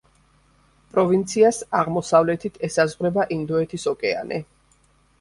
პროვინციას აღმოსავლეთით ესაზღვრება ინდოეთის ოკეანე.